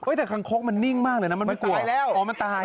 แต่คางคกมันนิ่งมากเลยนะมันไม่ตายแล้วอ๋อมันตาย